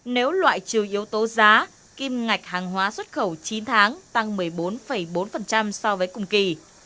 nếu loại trừ yếu tố giá kim ngạch hàng hóa xuất khẩu chín tháng tăng một mươi bốn bốn so với cùng kỳ